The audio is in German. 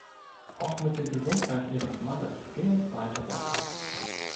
Auch mit der Gesundheit ihres Mannes ging es weiter bergab.